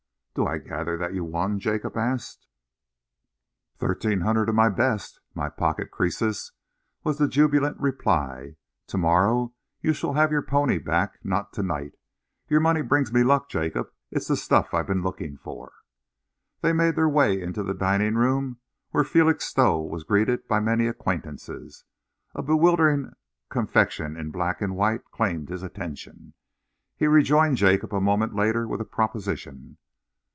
"Do I gather that you won?" Jacob asked. "Thirteen hundred of the best, my pocket Croesus," was the jubilant reply. "To morrow you shall have your pony back not to night. Your money brings me luck, Jacob. It's the stuff I've been looking for." They made their way into the dining room, where Felixstowe was greeted by many acquaintances. A bewildering confection in black and white claimed his attention. He rejoined Jacob a moment later with a proposition.